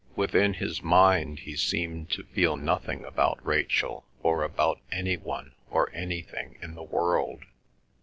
Within his mind he seemed to feel nothing about Rachel or about any one or anything in the world.